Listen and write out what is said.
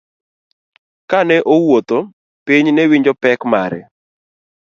Kane owuotho, piny newinjo pek mare.